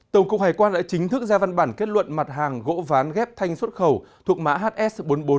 tổng cục hải quan đã chính thức ra văn bản kết luận mặt hàng gỗ ván ghép thanh xuất khẩu thuộc mã hs bốn mươi bốn một mươi tám